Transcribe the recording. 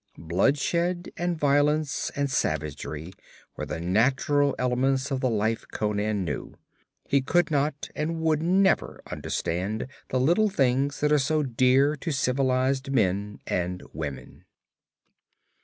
Bloodshed and violence and savagery were the natural elements of the life Conan knew; he could not, and would never, understand the little things that are so dear to civilized men and women.